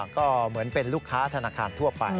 ก็เหมือนเป็นลูกค้าธนาคารทั่วไป